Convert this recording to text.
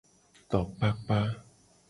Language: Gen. Tokpakpa.